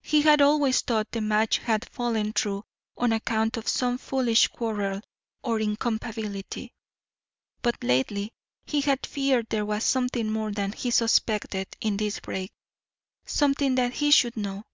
He had always thought the match had fallen through on account of some foolish quarrel or incompatibility, but lately he had feared there was something more than he suspected in this break, something that he should know.